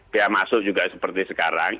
pihak masuk juga seperti sekarang